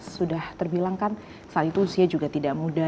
sudah terbilang kan saat itu usia juga tidak muda